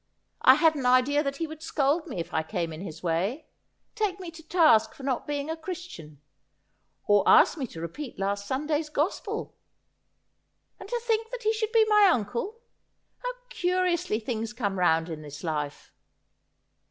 I had an idea that he would scold me if I came in his way— take me to task for not being a christian, or ask me to repeat last Sunday's Gospel. And to think that he should be my uncle. How curi ously things come round in this life